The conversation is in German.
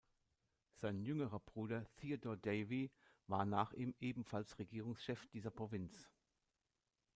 Sein jüngerer Bruder Theodore Davie war nach ihm ebenfalls Regierungschef dieser Provinz.